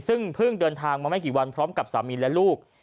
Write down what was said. ซึ่งเพิ่งเดินทางมาไม่กี่วันพร้อมกับสามีและลูก